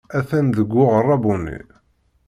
Atan deg uɣerrabu-nni.